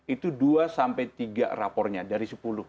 itu dua sampai tiga rapornya dari sepuluh